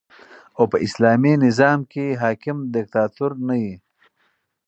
او په اسلامي نظام کښي حاکم دیکتاتور نه يي.